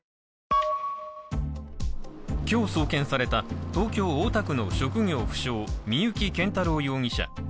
今日送検された東京・大田区の職業不詳、三幸謙太郎容疑者。